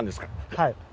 はい。